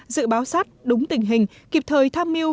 dự báo sát đúng tình hình kịp thời tham mưu